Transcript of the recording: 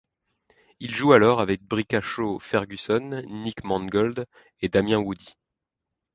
Il joue alors avec D'Brickashaw Ferguson, Nick Mangold et Damien Woody.